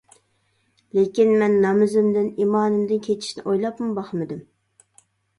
لېكىن مەن نامىزىمدىن، ئىمانىمدىن كېچىشنى ئويلاپمۇ باقمىدىم.